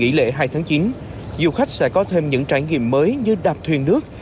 trong dịp lễ hai tháng chín du khách sẽ có thêm những trải nghiệm mới như đạp thuyền nước